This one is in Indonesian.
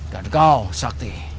dan kau sakti